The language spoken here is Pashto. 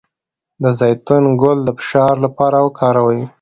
د زیتون ګل د فشار لپاره وکاروئ